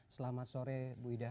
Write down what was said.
selamat sore bu ida